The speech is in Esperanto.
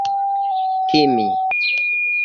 timi